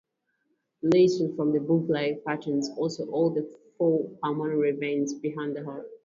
The lesions form a "box-like" pattern around all four pulmonary veins behind the heart.